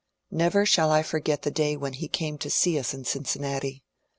Never shall I forget the day when he came to see us in Cincinnati.